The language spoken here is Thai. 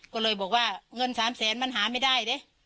ก็เลยบอกว่าเงิน๓แสนมันหาไม่ได้ดิ